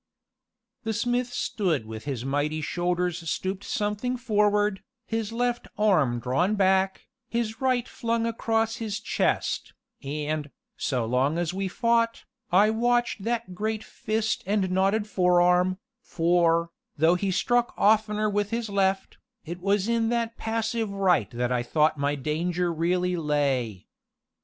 The smith stood with his mighty shoulders stooped something forward, his left arm drawn back, his right flung across his chest, and, so long as we fought, I watched that great fist and knotted forearm, for, though he struck oftener with his left, it was in that passive right that I thought my danger really lay.